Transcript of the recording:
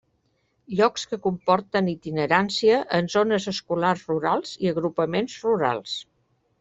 Llocs que comporten itinerància en zones escolars rurals i agrupaments rurals.